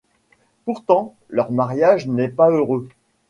Pourtant, leur mariage n'est pas heureux.